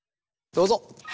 どうぞ。